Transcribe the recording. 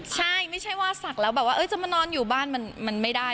ใช่ไม่ใช่ว่าศักดิ์แล้วแบบว่าจะมานอนอยู่บ้านมันไม่ได้